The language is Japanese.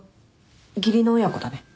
義理の親子だね。